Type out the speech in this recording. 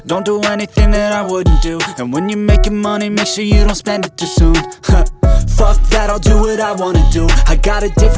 udah kamu gak usah khawatir